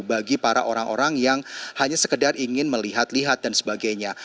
bagi para orang orang yang hanya sekedar ingin melihat lihat dan sebagainya